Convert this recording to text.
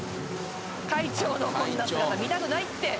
会長のこんな姿見たくないって。